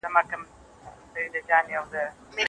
لوستې مور د کور پاکوالي ته ورځنی وخت ورکوي.